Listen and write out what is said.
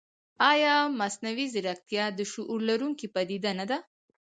ایا مصنوعي ځیرکتیا د شعور لرونکې پدیده نه ده؟